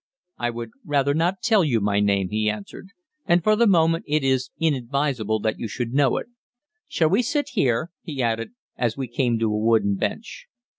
"I would rather not tell you my name," he answered, "and for the moment it is inadvisable that you should know it. Shall we sit here?" he added, as we came to a wooden bench.